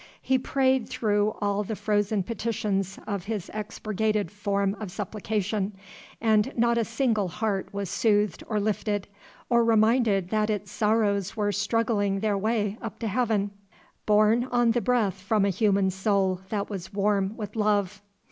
He prayed through all the frozen petitions of his expurgated form of supplication, and not a single heart was soothed or lifted, or reminded that its sorrows were struggling their way up to heaven, borne on the breath from a human soul that was warm with love.